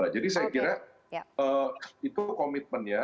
jadi saya kira itu komitmennya